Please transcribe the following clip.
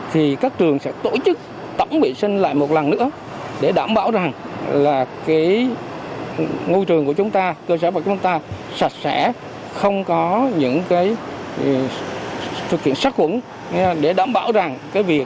khi còn đó là tất cả các trường học